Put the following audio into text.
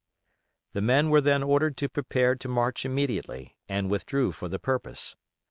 The men were then ordered to prepare to march immediately, and withdrew for the purpose.